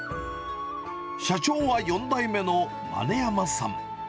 社長は４代目の間根山さん。